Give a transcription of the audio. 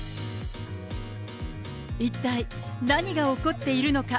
一体、何が起こっているのか。